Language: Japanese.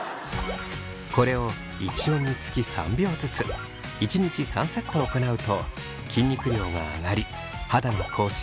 これを１音につき３秒ずつ１日３セットを行うと筋肉量が上がり肌の更新